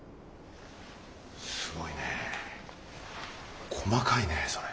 すごいねえ細かいねそれ。